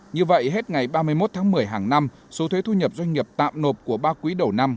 như vậy hết ngày ba mươi một tháng một mươi hàng năm số thuế thu nhập doanh nghiệp tạm nộp của ba quý đầu năm